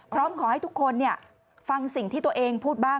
พร้อมขอให้ทุกคนฟังสิ่งที่ตัวเองพูดบ้าง